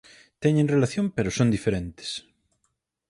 Teñen relación pero son diferentes.